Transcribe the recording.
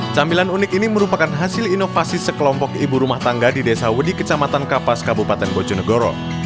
camilan unik ini merupakan hasil inovasi sekelompok ibu rumah tangga di desa wedi kecamatan kapas kabupaten bojonegoro